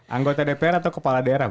anggota dpr atau kepala daerah